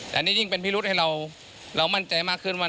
แต่อันนี้ยิ่งเป็นพิรุษให้เรามั่นใจมากขึ้นว่า